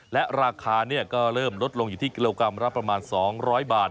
และราคาก็เริ่มลดลงอยู่ที่กิโลกรัมละประมาณ๒๐๐บาท